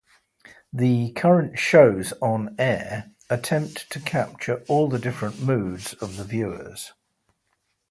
The current shows on-air attempt to capture all the different moods of the viewers.